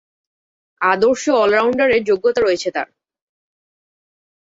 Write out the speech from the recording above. আদর্শ অল-রাউন্ডারের যোগ্যতা রয়েছে তার।